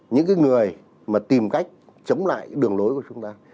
chúng ta không lại đường lối của chúng ta